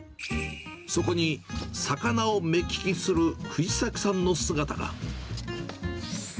そこに魚を目利きする藤崎さんの姿が。